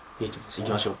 行きましょう。